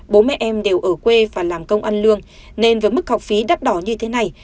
bố mẹ em đều ở quê và làm công ăn lương nên với mức học phí đắt đỏ như thế này